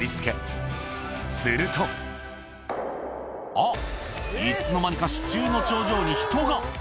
あっ、いつの間にか支柱の頂上に人が。